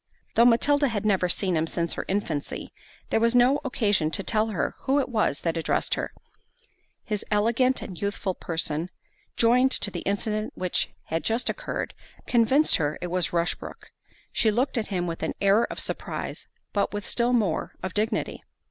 Though Matilda had never seen him since her infancy, there was no occasion to tell her who it was that addressed her—his elegant and youthful person, joined to the incident which had just occurred, convinced her it was Rushbrook: she looked at him with an air of surprise, but with still more, of dignity.